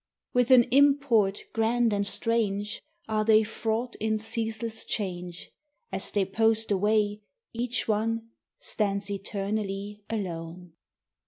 With an import grand and strange Are they fraught in ceaseless change As they post away; each one Stands eternally alone.